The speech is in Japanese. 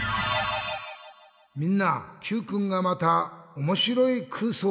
みんなＱくんがまたおもしろいくうそうをしてるね。